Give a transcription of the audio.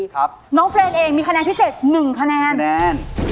ครับน้องเฟรนเองมีคะแนนที่เจ็ดหนึ่งคะแนนคะแนน